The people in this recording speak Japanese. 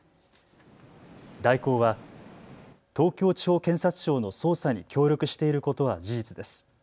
大広は、東京地方検察庁の捜査に協力していることは事実です。